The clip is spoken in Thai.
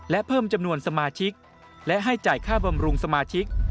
และเพิ่มจำนวนสมาชิกและให้จ่ายค่าบำรุงสมาชิก